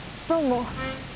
どうも。